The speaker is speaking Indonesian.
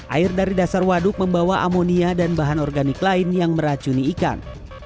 air dari dasar waduk membawa amonia dan bahan organik lain yang meracuni ikan